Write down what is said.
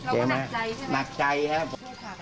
แล้วก็หนักใจกัน